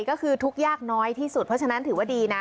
ก็คือทุกข์ยากน้อยที่สุดเพราะฉะนั้นถือว่าดีนะ